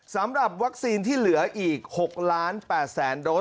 สำหรับวัคซีนที่เหลืออีก๖ล้าน๘แสนโดส